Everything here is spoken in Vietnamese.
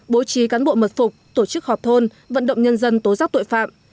bố trí cán bộ mật phục tổ chức họp thôn vận động nhân dân tố giác tội phạm